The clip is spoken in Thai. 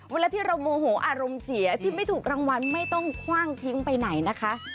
เวลาที่เราโมโหอารมณ์เสียที่ไม่ถูกรางวัลไม่ต้องคว่างทิ้งไปไหนนะคะ